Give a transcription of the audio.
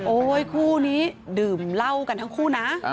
คู่นี้ดื่มเหล้ากันทั้งคู่นะ